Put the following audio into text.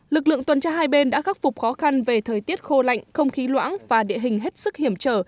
lực lượng tuần tra hai bên đã khắc phục khó khăn về thời tiết khô lạnh không khí loãng và địa hình hết sức hiểm trở